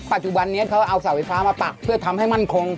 ปัจจุบันนี้เขาเอาเสาไฟฟ้ามาปักเพื่อทำให้มั่นคง